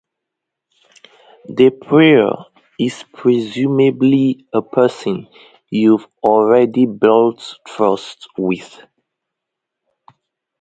The prior is presumably a person you've already built trust with.